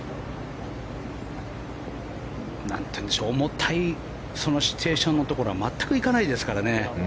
重たいシチュエーションのところはまったく行かないですからね。